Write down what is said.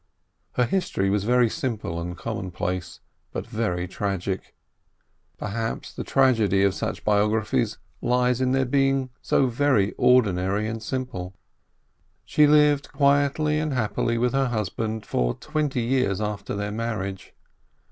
Her history was very simple and commonplace, but very tragic. Perhaps the tragedy of such biographies lies in their being so very ordinary and simple ! She lived quietly and happily with her husband for twenty years after their marriage.